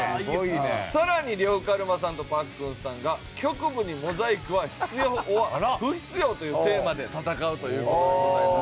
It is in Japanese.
更に呂布カルマさんとパックンさんが「局部にモザイクは必要ｏｒ不必要」というテーマで戦うという事でございます。